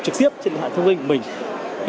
trực tiếp trên điện thoại thông minh mình